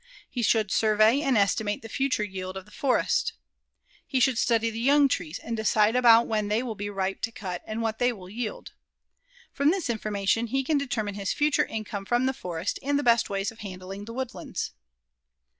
He should survey and estimate the future yield of the forest. He should study the young trees and decide about when they will be ripe to cut and what they will yield. From this information, he can determine his future income from the forest and the best ways of handling the woodlands.